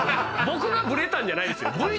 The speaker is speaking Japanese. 僕がブレたんじゃないですよ。